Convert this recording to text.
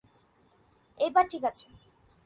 এবার ঠিক আছে।